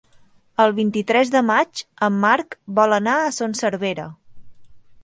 El vint-i-tres de maig en Marc vol anar a Son Servera.